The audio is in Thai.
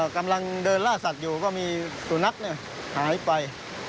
กำลังเดินล่าสัตว์อยู่ก็มีสุนัขหายไป